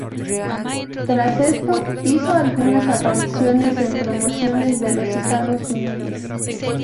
Tras esto, hizo algunas apariciones en promociones de los Estados Unidos.